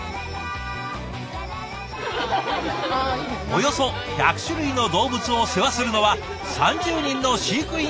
およそ１００種類の動物を世話するのは３０人の飼育員の皆さん。